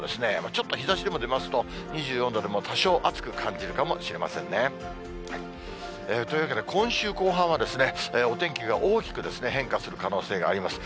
ちょっと日ざしでも出ますと、２４度でも多少暑く感じるかもしれませんね。というわけで、今週後半はお天気が大きく変化する可能性があります。